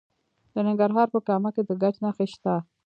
د ننګرهار په کامه کې د ګچ نښې شته.